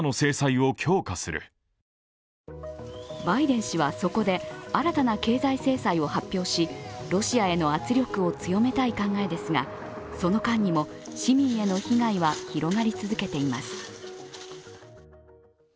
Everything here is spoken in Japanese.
バイデン氏はそこで新たな経済制裁を発表しロシアへの圧力を強めたい考えですが、その間にも市民への被害は広がり続けています。